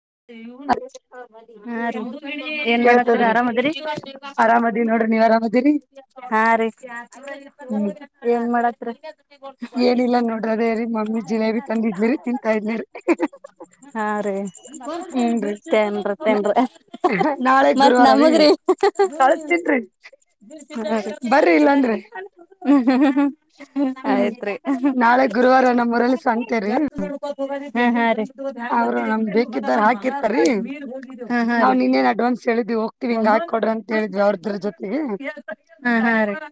[inaudible] ಹ ರಾಮ ಏನ್ ಮಾಡತೀರ ಆರಾಮ್ದ್ರೀ ಹಾ ರೀ ಹೆಂಗ್ ಮಾಡತ್ರರಿ ಏನಿಲ್ಲ ನೋಡ್ರದೇ ರೀ ಮಮ್ಮಿ ಜಿಲೇಬಿ ತಂದ ಇದ್ಲಿರಿ ತಿಂತಾ ಇದ್ನ ತನ್ ತೆನ್ರಿ ಮತ್ತತ್ ನಮಗ್ರಿ ಹ್ಮ ಹ್ಮ ಹ್ ಆಯ್ತ್ರಿ ಹಾ ಹಾ ರೀ ದು ಅದ್ ಹ್ಯಾಂಗ್ ಬತ್ತಿದೆ ಹ ಹಾ ರಿ ಹ ಹಾ ರಿ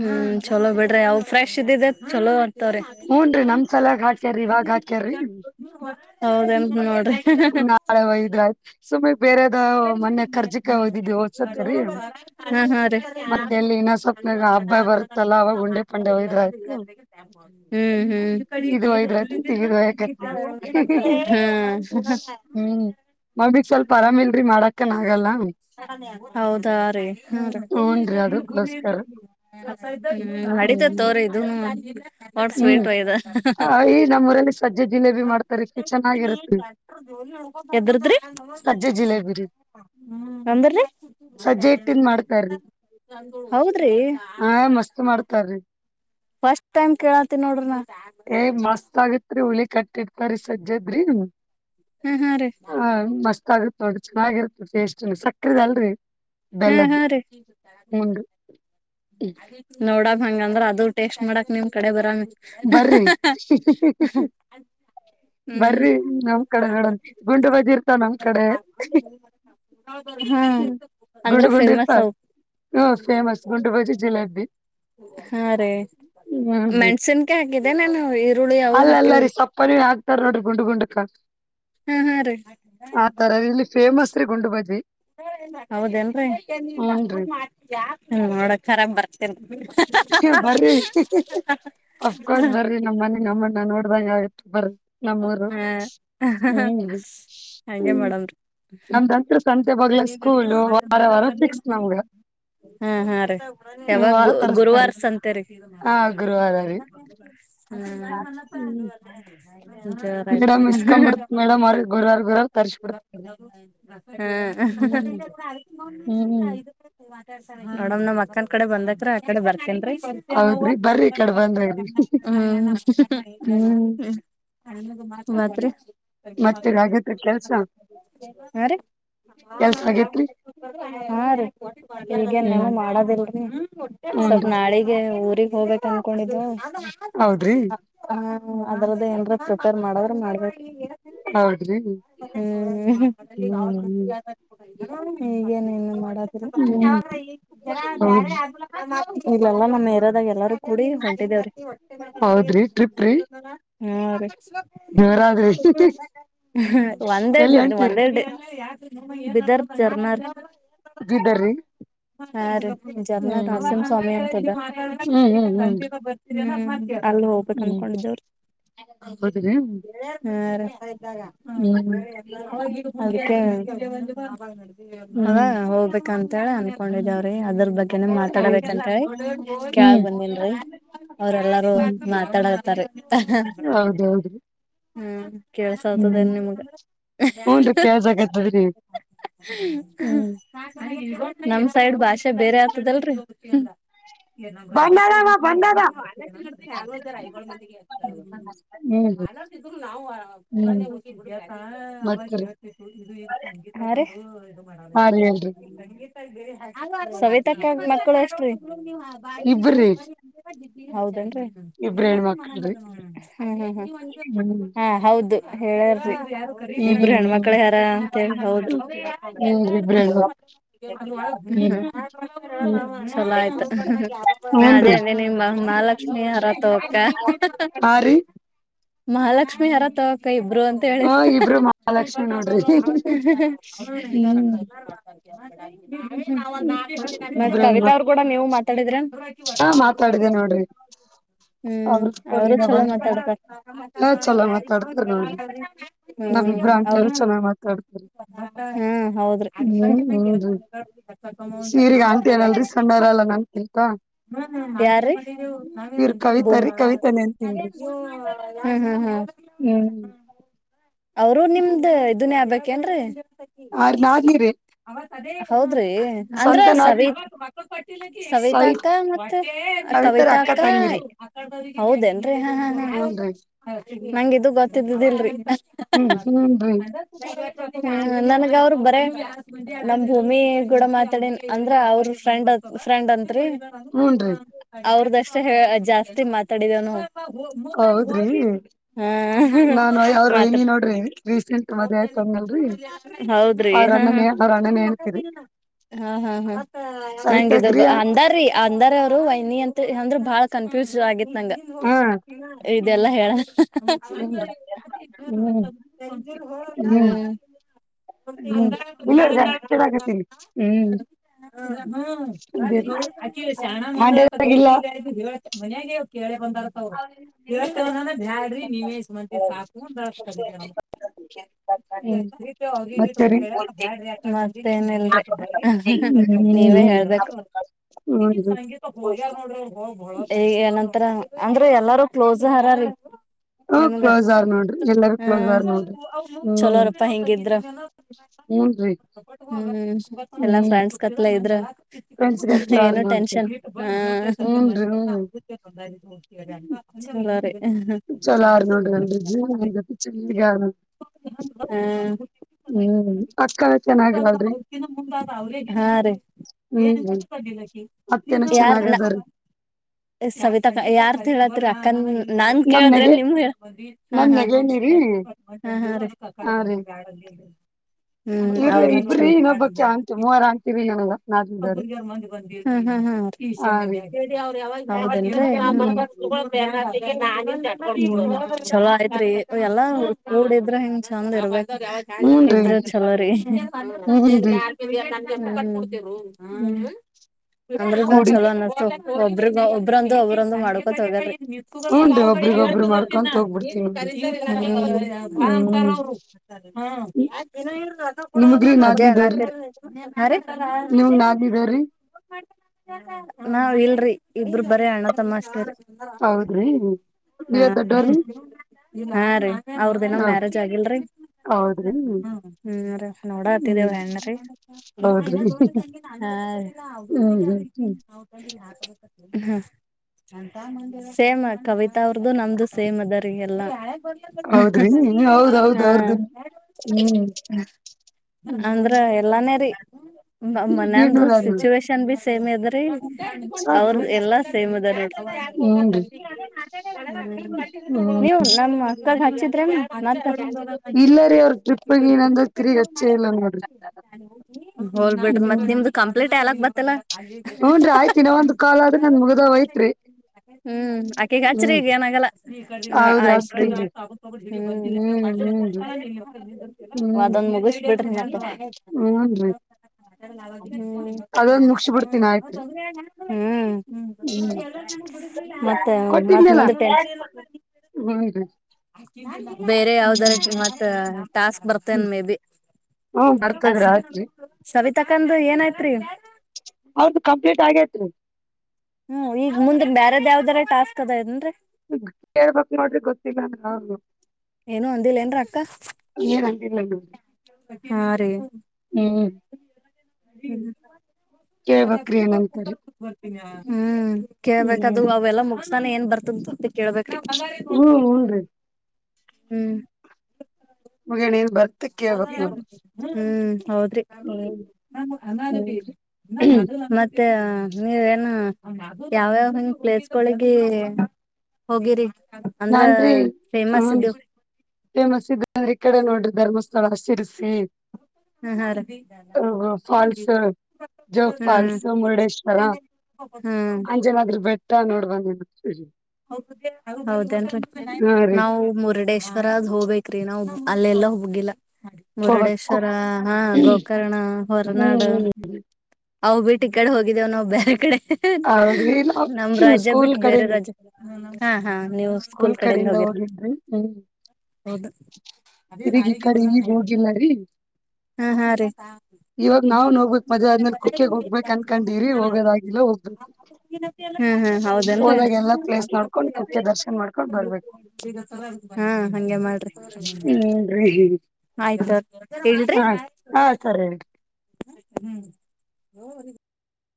ಹ್ಮ್ ಚಲೋ ಬಿಡ್ರಿ ಅವ್ರ್ ಫ್ರೆ ಷಿದಿದ್ದ ಚಲೋ ಹೂನ್ ರೀ ನಮ್ ಸಲಾಗ ಹಾಕ್ಯಾರೀ ಇವಾಗ ಹಾಕ್ಯಾರೀ ನಾಳೆ ಒಯದ್ರಾಯ್ತು ಸುಮ ಬೇರೆ [inaudible] [unintelligible] ಹಾ ಹಾ ರಿ [unintelligible] ಹ್ಮ್ ಮಗ್ ಸ್ವಲ್ಪ ಆರಾಮ ಇಲ್ರಿ ಮಾಡಕನ್ ಆಗಲ್ಲ ಹೌದಾ ರೀ ಹ್ಮ ಹ್ಮ ನಡಿತತ್ ಅವ್ರೀ ಇದು ಹ್ಮ ಅವಟ್ ಸ್ವೀಟ್ ಒಯದ ಎದ್ರದ್ರಿ ಹ್ಮ [unintelligible] ಹೌದ್ರಿ ಫಸ್ಟ್ ಟೈಮ್ ಕೇಳತ್ತ ನೋಡ್ರಿ ನ ರಿ ಹುಳಿ ಕಟ್ಟಿ ಇಡ್ತಾರಿ ಸಜ್ಜದ್ರಿ ಹ್ಮ್ ಹಾ ರೀ ದೊಡ್ ಚೆನ್ನಾಗಿರುತ್ತರಿ ಟೇಸ್ಟ್ ಸಕ್ಕರೆದ ಅಲ್ರರಿ ಹಾ ಹಾ ರೀ ನೋಡಮ್ ಹಂಗಂದ್ರ ಅದು ಟೇಸ್ಟ್ ಮಾಡಕ್ ನಿಮ್ ಕಡೆ ಬರನ್ ಬರ್ರಿ ಹಿ ಹಿ ಹಿ ಹಿ ಹಿ ಬರಿ ನಮ್ ಕಡೆ ಮೇಡ ಗುಂಡು ಬಜಿ ಇರ್ತ ನಮ್ ಕಡೆ ಗುಂಡು ಗುಂಡ ಇರ್ತ ಹ್ಮ ಫೇಮಸ್ ಗುಂಡು ಬಜಿ ಜಿಲೇಬಿ [unintelligible] ಗಿದೆನೇನು ಈರುಳ್ಳಿ ಅವ್ ಹಾಕ್ಯಾವ್ರಿ. ತರ್ ನೋಡ್ರಿ ಗುಂಡು ಗುಂಡುಕ ಆ ತರವ್ ಇಲ್ಲಿ ಫೇಮಸ್ ರೀ ಗುಂಡು ಬಾಜಿ. ಹೌದೇನ್ರಿ [unintelligible] ನೋಡಕರಾ ಬರ್ತೇನ್ರೀ. ನೀವ್ ಬರ್ರಿ ಹ್ ಹ್ ಹ್ ಅಫ್ಕೋರ್ಸ್ ಬರ್ರಿ ನಮ್ಮನೆ ನಮ್ಮನ್ನ ನೋಡ್ದಂಗ್ ಆಗು ಬರ್ ನಮ್ಮೂರು ಹ್ಮ ಹ್ಮ್ ನಮ್ದಂತ್ರು ಸಮ್ ಹಾ ಹಾ ರೀ ಯಾವಾಗ್ ಗು ಗುರ್ ಸಂತೆರೆ ಹ್ಮ ಆಯ್ತು ಹಾ ಹ ಹ ನೋಡಮ್ ನಮ್ ಅಕ್ಕನ ಕಡೆ ಬಂದಕ್ರ ಆ ಕಡೆ ಬರ್ತೇನ್ೀ ಹತ್ರ ಹ ರೀ ಹಾ ರೀ ಇಲ್ಲಿಗನೇನು ಮಾಡದಿಲ್ ಸ್ವಲ್ಪ ನಾಳಿಗೆ ಊರಿಗೆಗ್ ಹೋಗ್ಬೇಕಕ್ ಅನ್ಕೊಂಡಿದ್ವ ಹೌದ್ರಿ ಹ್ಮ್ ಅದ್ರದ್ದ ಏನ್ರ ಪ್ರಿಪೇರ್ ಮಾಡ್ರೆ ಮಾಡ್ಬೇಕು ಹೌದ್ರಿ ಹ್ಮ ಈಗೇನ್ ಇನ್ ಮಾಡ ಈ ಜನ ಬ ಇಲ್ಲ ನಮ್ಮ್ ಏರೋದಾಗ ಎಲ್ಲಾರೂ ಕುಡಿ ಹೊಂಟಿದೇವ್ರಿ ಹ್ಮ ರೀ ಒಂದೆರಡು ಒಂದೆರಡು ಬದರ್ ಜರ್ನ ಇದಿದ್ದರಿ ಹಾ ರೀ ಜನ ನಾಸಿಂ ಸ್ವಾಮಿ ಅಂತದ ಅಲ್ಲಿ ಹೋಗ್ಬೇಕ ಅನ್ಕೊಂಡಿದ್ದವ್ರ ಹ ಅ ಹ್ಮ ಹಾ ಹದಾ ಹೋಗ್ಬೇಕಂತ ತ್ತಾಳ ಕೊಂಡಿದಾವ್ರೆ ಅದ್ರ ಬಗ್ಗೆ ಯಾಕಂದ್ರ ಮಾತಾಡಬೇಕಂತ ಹೇಳಿ ಕೆೇಳಗ್ ಬಂದನ್ರಿ ಅವ್ರಲ್ಲಾರೂ ಮಾತಾಡತಾರಿ ಹ್ಮ್ ಕೇಳ್ಸ ಆತದೇನ್ ನಿಮ್ಗ ನಮ ಸೈಡ್ ಭಾಷೆ ಬೇರೆ ಆಗ್ತದಲ್ರರಿ ನಾವ್ ಗಗೀತಗಿದ ನ ಐೋ ಮಂದಿಗೆತರು ಆದ ಇದ್ರು ನಾವು ಪೂರ ಹೋಗಿಡ ಅವವ ಇದು ಸಂಗೀತ ಇ ಸವೇ ತಕ್ಕ ಮಕ್ಕಳು ಅಷ್ಟ್ರೀ ಹೌದೇನ್ರಿ ಹ್ಮ ಹ್ಮ್ ಹ್ಮ ಹಾ ಹೌದು ಹೇಳಾರಿ ಇಬರು ಹೆಣ್ಮಕ್ಳ ಯಾರ ಅಂತ ಹೌದು ಹ್ಮ ಚಲೋ ಆಯ್ತು ನಾ ಅದೇ ಅಂದೆ ನಿಮ್ಮ ಮಹಾಲಕ್ಷ್ಮಿ ಹರ ತ ಹಕ್ಕ ಮಹಾಲಕ್ಷ್ಮಿ ಹರ ತ ಕೈ ಬರು ಅಂತ ಹೇಳಿದ ಮ ಕವಿತಾ ಅವರು ಕೂಡ ನೀವು ಮಾತಾಡಿದ್ರ ಹ್ಮ್ ಅವರು ಚಲೋ ಮಾತಾಡ್ತಾರ ಹ್ಮ ಅವ್ರ ಹ್ಮ ಹೌದ್ರಿ ಕ ಅವರುೂ ನಿಮ್ದ ಇದನ್ನೇ ಆಗ್ಬೇಕೇನ್ರೀ ಹೌದು ಅಂದ್ರ ಸವ ಸವಿತಾಕ್ಕ ಮತ್ತೆ ಕವಿತಾಕ್ಕ ಹೌದೇನ್ರರಿ ಹಾ ಹಾ ಹಾ ನಂಗಿದ ಗೊತ್ತಿದ್ದಿಲ್ರಿ ಹ ನನ್ಗ ಅವ್ರು ಬರ ನಮ್ ಭೂಮಿ ಗೂಡ ಮಾತಾಡನ್ ಅಂದ್ರ ಅವ್ರ ಫ್ರೆಂಡ್ ಫ್ರೆಂಡ್ ಅಂತ್ರಿ ಅವ್ರದಷ್ಟ ಜಾಸ್ತಿ ಮಾತಾಡಿದವನು ಹಾತ್ರ ಹೌದ್ರಿ ಹಾ ಹ ಹಾ ಹಾ ಹಾ ನಂಗಿದ ಅಂದಾರೀ ಅಂದಾರ ಅವರು ವನಿ ಅಂತ ಅಂದ್ರಾ ಕನ್ಫ್ಯೂಸ್ ಆಗ ನಂಗ ಇದೆಲ್ಲಾ ಹೇಳ ಹ ಬಂಗ ಹ್ಮ ಗ ಅ ಶಣ ಮಂಗಳ ಗೌ ಮನಯಾಗಗೆ ಓಕೇಳೆ ಬಂದರ್ತಳ್ತ್ಯಾಡ್ರಿ ನೀವ ಮಂತಿ ಸಾಕು ಅಂದಷ್ಟ ಮತ್ತೇನಲ್ರಿ ನೀವೇ ಹೇಳ್ಬೇಕುನರ ಅಂದ್ರೆ ಎಲ್ಲಾರೂ ಕ್ಲೋಸ್ ಹರ ನಿಮ್ಗ ಹ್ಮ ಚಲೋರಪ್ಪಾ ಹಿಂಗಿದ್ರ ಹ್ಮ್ ಎಲ್ಲಾ ಫ್ರೆಂಡ್ಸ್ ಕತ್ ಇದ್ರೆ ಏನು ಟೆನ್ಷನ್ ಹಾ ಚಲ್ಲಾರೆ ಚಲ ಆರ್ ನೋಡ್ರಿನ್ರಿ ಚ ಆ ನೋ ಹ ಹಾ ರ ಸವಿತ ಯಾರ ರಕ್ಕನ್ ನಾನ್ ಕೇಳಿದ್ರೆ ನಿಮ ಹಾ ಹಾ ಹ ಕಂದಡಬ ಹಾ ಹಾ ಹಾ ಈಷ್ಯ ಮ ಹೇಳಿ ಅವ ಯಾವಾಗ ಹೌದ ಲೆ ಗಾನನ್ ಚಲೋ ಆಯ್ತ್ರಿ ಎಲ್ಲ ನೋಡಿದ್ರೆ ಹಿಂಗ್ ಚಂದ ಇರ್ಬೇಕು ಇದ್ರ ಚಲೋ ರ ಹನ್ನ ಅಮ್ರಬ ಚಲ್ಲ ನತ ಒಬ್ರ ಒಬ್ಬ್ರಂದು ಒಬ್ರಂದು ಮಾಡ್ಕೊ ತಗ್ರರಿ ಹ್ಯಾಂ ಬಾ ಅಂತರ ಅವ್ರು ಹ್ಮ್ಮ್ ಆಗುಎ ಅನ್ನ ಆಕೆ ಅರೆ ನಾವ ಇಲ್ರಿ ಇಬ್ರು ಬರೀ ಅಣ ತಮ್ಮಸ್ ಹಾ ಹಾ ರೀ ಅವ್ರದ ಏನೋ ಮ್ಯಾರೇಜ್ ಆಗಿಲ್ರಿ ಹ ರ ನೋಡತಿದೇವ ಹೆಣ್ಣ್ರೀ ಹ ಹ ಸೇಮ್ ಕವಿತಾ ಅವ್ರದುು ನಮ್ದು ಸೇಮ್ ಅದ್ರಗೆಲ್ಲ ಎಲ್ಲ. ಹ್ಮ್ಮ್. ಹಾ ಅಂದ್ರ ಎಲ್ಲ. ಅನೇರಿ. ಮನಯಂದು ಸಿಚುವೇಶನ್ ಬಿ ಸೇಮ್ ಅದ್ರೀ ಅವ್ರ ಎಲ್ಲಾ ಸೇಮ್ ಅದ ನೀವು ನಮ್ಮ. ಇವಾಗ ಹಚ್ಚಿ. ಇಬ್ರಾಹಿಂ ನಂದು. ಹಲ್ಬಿಟ್ರಿ ಮತ್ತೆ ನಿಮ್ದು ಕಂಪ್ಲೀಟ್ ಆಲಕ್ ಮತ್ತ. ಇತ್ತಲ್ಲ. ಹ್ಮ್ ಆಕ್ಕಿ ಗಚ್ಚರಿಗನಾಗಲ್ಲ ಆಯ. ಹ್ಮ್ ಅದೊಂದ್ ಮುಗುಸ್ಬಿಡ್ರಿ ಮತ್ತ ಹುನರಿ ಅದೊಂದ ಮುಗಿಸಿ ಬಿಡ್ತೀನಿ ಆಯ್ತ್ರಿ. ಹ್ಮ್. ಹ್ಮ್ ಕೊಟ್ಟಿದ್ದಲ್ಲ ಹ ರಿ. ಬೇರೆ ಯಾವ್ದದರೆ ಮತ್ತ ಟಾಸ್ಕ್ ಬರ್ತೇನ ಮೇ ಬಿ ಸವಿ. ತಕಂದ ಏನಯತ್ರಿ. ಅವರದ ಕಂಪ್ಲೀಟ್ ಆಗೇತ್ರಿ. ಹ್ಮ್ ಈಗ ಮುಂದ ಬ್ಯಾರದ ಯಾವ್ದಾರ ಟಾಸ್ಕ್ ಅದ ಏನ್ರಿ. ಕೇಳ್ಬೇಕ ನೋಡ್ರಿ ಗೊತ್ತಿಲ್ಲ [unintelligible] ಯಾವದು ಏನ ಅಂದಿಲ್ಲ ನೋಡ್ರಿ ಹ್ಮ್. ಹ್ಮ್. ಹ್ಮ್ ಕೇಳ್ಬೇಕದು ಅವೆಲ್ಲ ಮುಗಸಾನ ಏನ್ ಬರ್ತದ ಅತ ಕೇಳ್ಬೇಕ. ಹ್ಮ್. ಮುಗ್ಯನ ಏನ ಬರ್. [unintelligible] ಹ್ಮ್. ಹೌದ್ರಿ ಮತ್. ಮತ್ತೆ ನೀವ ಏನ ಯಾವ್ಯಾವ ಹಿಂಗ ಪ್ಲೇಸ್ ಗೋಳಿಗ ಹೋಗಿರಿ. ನಾನ್ರಿ ಹುಂ ಫೇಮಸ್ ಈ ಕಡೆ ನೋಡ್ರಿ ಧರ್ಮಸ್ಥ. ಸ್ಥಳ, ಸರಿಸಿ. ಫಾಲ್ಸ್ ಜೋಗ ಫಾಲ್ಸ್ ಮುರುಡೇಶ್ವರ ಅಂಜನ ಆದ್ರ ಬೆಟ್ಟ ನೋಡ್ಬಂದ. [inaudible] ಹೌದ. ನಾವು ಮುರಡೇಶ್ವರದ್ ಹೋಗ್ಬೇಕ್ರಿ ನಾವು. ಅಲ್ಲೆಲ್ಲ ಹೋಗಿಲ್ಲ. ಮುರುಡೇಶ್ವರ ಹಾ ಗೋಕರ್ಣ ಹೊರನಾಡ ಅವು ಬಿಟ್ಟು ಈ ಕಡೆ ಹೋಗಿದ್ದೇವು ನಾವು ಬ್ಯಾರೆ ಕಡೆ. ನಮ ರಾಜ್ಯ ಬಿಟ್ಟು ಬೇರೆ ರಾಜ್ಯಕ. ಹಾ ಹಾ ನೀವು ಸ್ಕೂಲ್ ಕಡೆಯಿಂದ ಹೋಗಿರ ಇದ ಈ ಕಡೆ ಈಗ್ ಹೋಗಿಲ್ಲ ರೀ ಇವಾಗ ನಾವ್ ನೋಗ್ಬೇಕಕ್ ಮದುವೆ ಆದ ಮೇಲ ಕುಕ್ಕೆಯಗ್ ಹೋಗ್ಬೇಕಕ್ ಅನ್ಕೊಂಡೀರಿ ಹೋಗೋದಾಗಿಲ್ಲ ಹೋಗ್ಬೇಕು ಹೋದಾಗ ಹೇಳ್ ಎಲ್ಲಾ ಪ್ಲೇಸ್ ನೋಡ್ಕೊಂಡ್ ಕುಕ್ಕೆ ದರ್ಶನ್ ಮಾಡ್ಕೊಂಡ್ ಬರ್ಬೇಕು. ಹ್ಮರಿ ಹ ಹಾ ಸರಿ ರಿ. ಹ್ಮ್